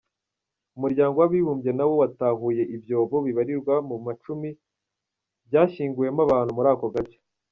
Umuryango w'abibumbye nawo watahuye ibyobo bibarirwa mu macumi byashyinguwemo abantu muri ako gace.